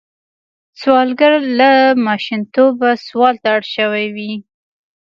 سوالګر له ماشومتوبه سوال ته اړ شوی وي